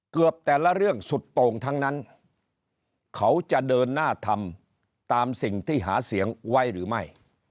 เกือบแต่ละเรื่องสุดโต่งทั้งนั้นเขาจะเดินหน้าทำตามสิ่งที่หาเสียงไว้หรือไม่